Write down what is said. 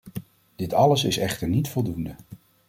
Dit alles is echter niet voldoende.